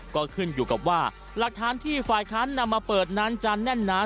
ก็ขึ้นอยู่กับว่าหลักฐานที่ฝ่ายค้านนำมาเปิดนั้นจะแน่นหนา